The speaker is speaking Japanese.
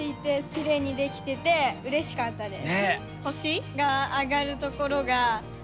きれいにできててうれしかったです。